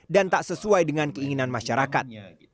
dan tak sesuai dengan keinginan masyarakat